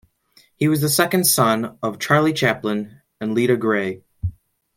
He was the second son of Charlie Chaplin and Lita Grey.